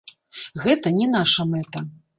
Гэта не наша мэта.